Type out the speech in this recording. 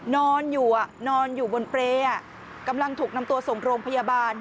นอนอยู่นอนอยู่บนเปรย์กำลังถูกนำตัวส่งโรงพยาบาล